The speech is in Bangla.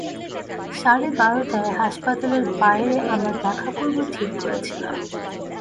সাড়ে বারোটায় হাসপাতালের বাইরে আমরা দেখা করব ঠিক করেছিলাম।